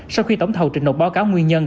sau khi tổng thầu trình nộp báo cáo nguyên nhân